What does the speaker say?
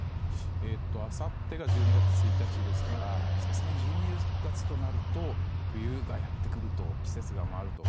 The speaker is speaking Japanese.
あさってが１２月１日ですからさすがに１２月となると冬がやってきて季節が回ると。